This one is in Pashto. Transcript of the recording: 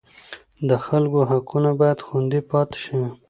د خلکو حقونه باید خوندي پاتې شي.